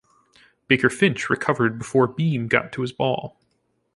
Baker-Finch recovered before Beem got to his ball.